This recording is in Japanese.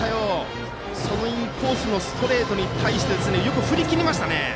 インコースのストレートに対してよく振り切りましたね。